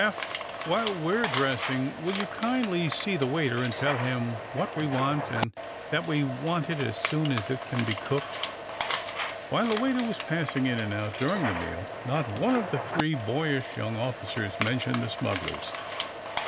^^Eph, while we're dress ing will you kindly see the waiter and tell him what we want and that we want it as soon as it can be cooked!" While the waiter was passing in and out dur ing the meal not one of the three boyish young officers mentioned the smugglers.